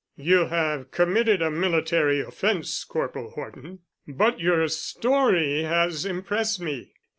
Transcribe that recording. "You have committed a military offense, Corporal Horton. But your story has impressed me.